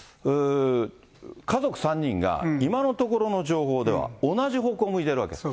家族３人が、今のところの情報では、同じほうを向いているわけです。